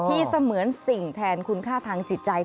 เสมือนสิ่งแทนคุณค่าทางจิตใจ